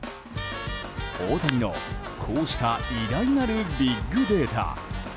大谷のこうした偉大なるビッグデータ。